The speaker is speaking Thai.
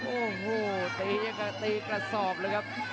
โอ๊ะโหตีตีกระสอบเลยครับ